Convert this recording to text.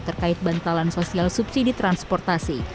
terkait bantalan sosial subsidi transportasi